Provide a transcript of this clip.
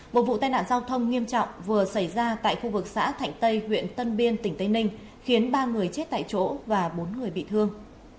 một vụ tai nạn giao thông nghiêm trọng vừa xảy ra tại khu vực xã thạnh tây huyện tân biên tỉnh tây ninh khiến ba người chết tại chỗ và bốn người bị thương